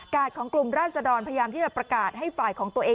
ของกลุ่มราศดรพยายามที่จะประกาศให้ฝ่ายของตัวเอง